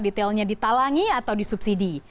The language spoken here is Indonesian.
detailnya ditalangi atau disubsidi